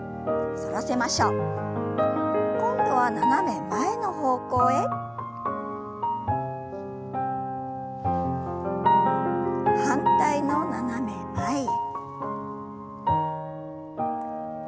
反対の斜め前へ。